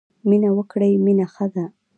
مینه وکړی مینه ښه ده.